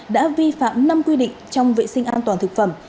đã vi phạm năm quy định trong vệ sinh an toàn thực phẩm